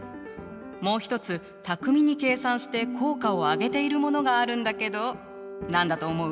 もう一つ巧みに計算して効果を上げているものがあるんだけど何だと思う？